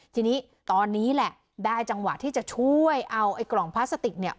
ทีนี้ตอนนี้แหละได้จังหวะที่จะช่วยเอาไอ้กล่องพลาสติกเนี่ย